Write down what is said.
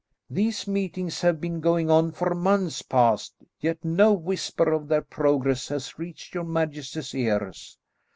These meetings have been going on for months past, yet no whisper of their progress has reached your majesty's ears."